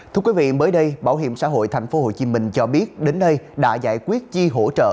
thưa quý vị mới đây bảo hiểm xã hội tp hcm cho biết đến nay đã giải quyết chi hỗ trợ